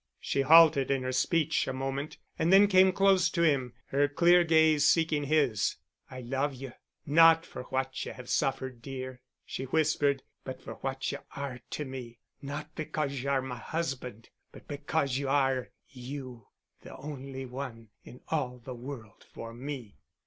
She halted in her speech a moment and then came close to him, her clear gaze seeking his. "I love you, not for what you have suffered, dear——" she whispered, "but for what you are to me—not because you are my husband, but because you are you—the only one in all the world for me."